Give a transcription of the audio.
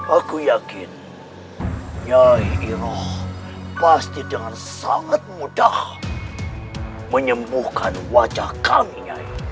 aku yakin ya iroh pasti dengan sangat mudah menyembuhkan wajah kami